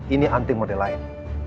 ini anting model lain